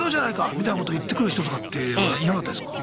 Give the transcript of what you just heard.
みたいなこと言ってくる人とかっていうのはいなかったですか？